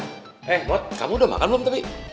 eh bot kamu udah makan belum tapi